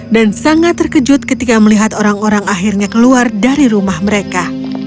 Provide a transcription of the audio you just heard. dan sangat terkejut ketika melihat orang orang akhirnya keluar dari rumah mereka